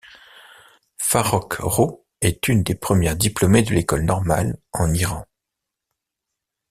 Farrokh-Rou est une des premières diplômées de l'école normale en Iran.